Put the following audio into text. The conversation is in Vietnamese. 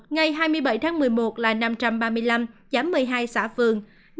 ngày hai mươi bảy tháng một mươi một là năm trăm ba mươi năm giám một mươi hai xã phường